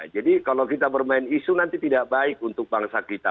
jadi kalau kita bermain isu nanti tidak baik untuk bangsa kita